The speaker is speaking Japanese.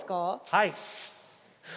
はい。